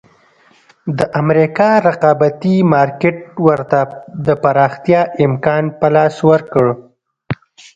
د امریکا رقابتي مارکېټ ورته د پراختیا امکان په لاس ورکړ.